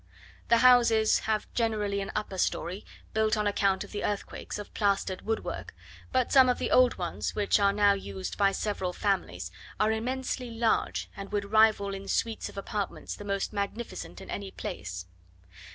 The houses have generally an upper story, built on account of the earthquakes, of plastered woodwork but some of the old ones, which are now used by several families, are immensely large, and would rival in suites of apartments the most magnificent in any place.